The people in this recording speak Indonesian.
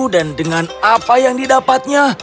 dan dengan apa yang didapatnya